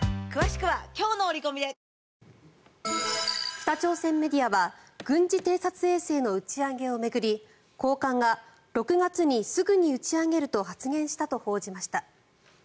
北朝鮮メディアは軍事偵察衛星の打ち上げを巡り高官が６月にすぐに打ち上げると発言したと報じました。